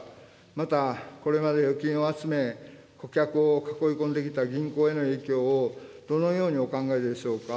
またこれまで預金を集め、顧客を囲い込んできた銀行への影響をどのようにお考えでしょうか。